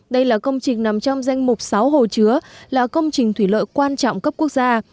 đây là công trình nằm trong danh mục sáu hồ chứa là công trình thủy lợi quan trọng cấp quốc gia